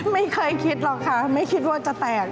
ไม่เคยคิดหรอกค่ะไม่คิดว่าจะแตก